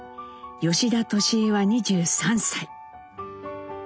吉田智江は２３歳。